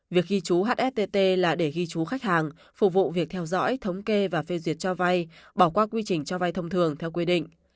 việc ghi chú hsttt là để ghi chú khách hàng phục vụ việc theo dõi thống kê và phê duyệt cho vay bỏ qua quy trình cho vai thông thường theo quy định